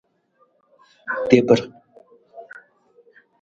Tebre.